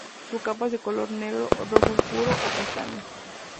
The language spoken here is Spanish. Su capa es de color negro, rojo oscuro o castaño.